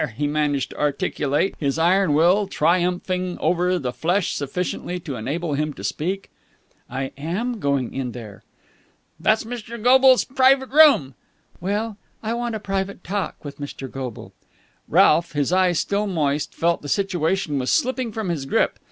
he managed to articulate, his iron will triumphing over the flesh sufficiently to enable him to speak. "I am going in there!" "That's Mr. Goble's private room." "Well, I want a private talk with Mr. Goble." Ralph, his eyes still moist, felt that the situation was slipping from his grip.